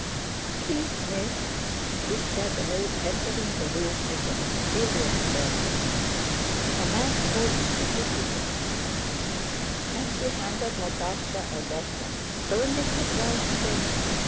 "Please, Miss!" whispered a maid entering the room with a mysterious air. "A man told me to give you this—" and she handed Natásha a letter. "Only, for Christ's sake..."